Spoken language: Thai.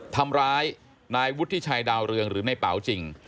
ทำร้ายนายวุฒิชัยดาวเรืองหรือในเป๋าจริง